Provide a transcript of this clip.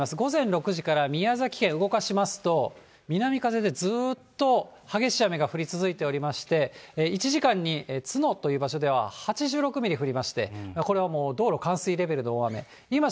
午前６時から宮崎県、動かしますと、南風でずっと激しい雨が降り続いておりまして、１時間につのという場所では、８６ミリ降りまして、これはもう道路冠水レベルの大雨。